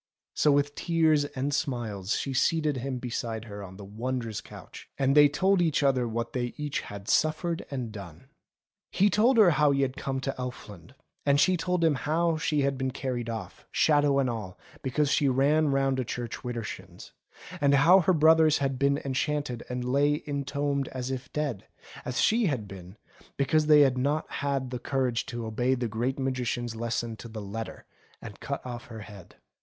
So with tears and smiles she seated him beside her on the wondrous couch, and they told each other what they each had suffered and done. He told her how he had come to Elfland, and she told him how she had been carried off, shadow and all, because she ran round a church widershins, and how her brothers had been enchanted, and lay intombed as if dead, as she had been, because they had not had the courage to obey the Great Magician's lesson to the letter, and cut off her head.